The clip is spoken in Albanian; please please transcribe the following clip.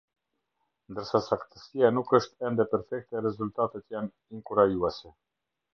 Ndërsa saktësia nuk është ende perfekte, rezultatet janë inkurajuese.